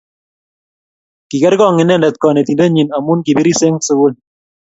Kigerngong inendet konetindenyii amu kibiris eng sukul